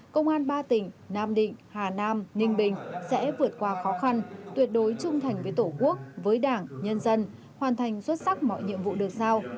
công an ba tỉnh nam định hà nam ninh bình sẽ vượt qua khó khăn tuyệt đối trung thành với tổ quốc với đảng nhân dân hoàn thành xuất sắc mọi nhiệm vụ được giao